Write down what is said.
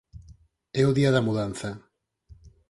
É o día da mudanza.